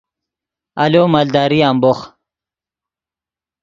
آلو مالداری امبوخ